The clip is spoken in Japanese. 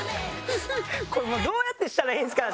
これもうどうやってしたらいいんですか？